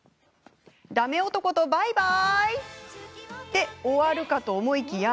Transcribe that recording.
だめ男とバイバイで、終わるかと思いきや